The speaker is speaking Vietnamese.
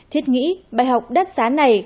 thiết nghĩ bài học đắt sán này